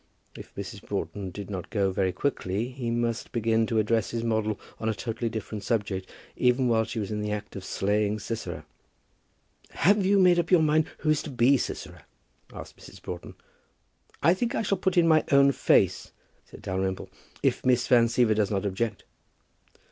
If Mrs. Broughton did not go very quickly, he must begin to address his model on a totally different subject, even while she was in the act of slaying Sisera. "Have you made up your mind who is to be Sisera?" asked Mrs. Broughton. "I think I shall put in my own face," said Dalrymple; "if Miss Van Siever does not object."